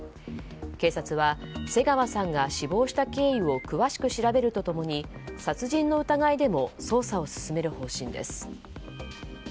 警察は瀬川さんが死亡した経緯を詳しく調べると共に殺人の疑いでも捜査を進める方針です。